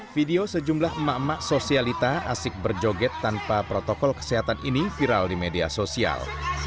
video sejumlah emak emak sosialita asik berjoget tanpa protokol kesehatan ini viral di media sosial